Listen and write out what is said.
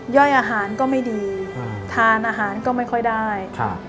ย่อยอาหารก็ไม่ดีทานอาหารก็ไม่ค่อยได้ครับ